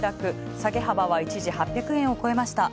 下げ幅は一時８００円を超えました。